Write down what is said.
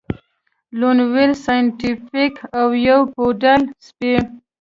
لون وولف سایینټیفیک او یو پوډل سپی